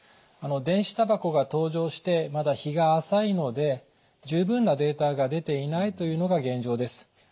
電子タバコが登場してまだ日が浅いので十分なデータが出ていないというのが現状です。